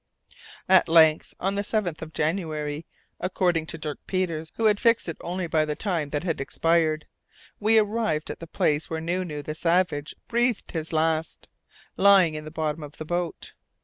At length, on the 7th of January according to Dirk Peters, who had fixed it only by the time that had expired we arrived at the place where Nu Nu the savage breathed his last, lying in the bottom of the boat.